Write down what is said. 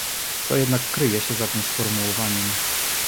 Co jednak kryje się za tym sformułowaniem?